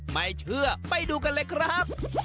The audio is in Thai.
ไม่เชื่อไปดูกันเลยครับ